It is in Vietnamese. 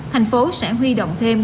thành phố sẽ huy động thêm